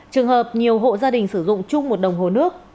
trường hợp nhiều hộ gia đình sử dụng chung một đồng hồ nước